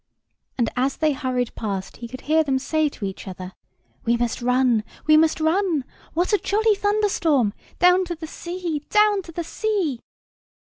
And as they hurried past he could hear them say to each other, "We must run, we must run. What a jolly thunderstorm! Down to the sea, down to the sea!"